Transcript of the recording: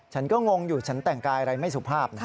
ฉันก็งงอยู่ฉันแต่งกายอะไรไม่สุภาพนะ